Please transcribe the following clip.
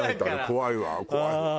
怖い怖い。